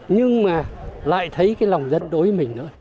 nhưng mà lại thấy cái lòng dân đối với mình nữa